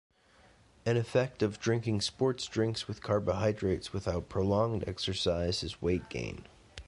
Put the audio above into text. An effect of drinking sports drinks with carbohydrates without prolonged exercise is weight gain.